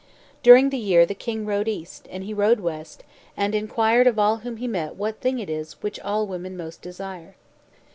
During the year the king rode east, and he rode west, and inquired of all whom he met what thing it is which all women most desire.